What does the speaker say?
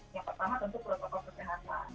yang pertama tentu protokol kesehatan